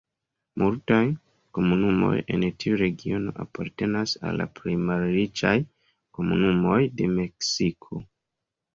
Multaj komunumoj en tiu regiono apartenas al la plej malriĉaj komunumoj de Meksiko.